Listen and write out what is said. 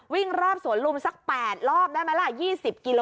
วิ่งรอบสวนลุมสัก๘รอบได้ไหมล่ะ๒๐กิโล